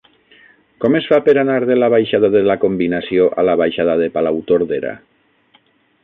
Com es fa per anar de la baixada de la Combinació a la baixada de Palautordera?